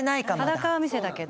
裸は見せたけど。